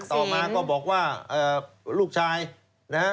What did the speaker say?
ต่อมาก็บอกว่าลูกชายนะฮะ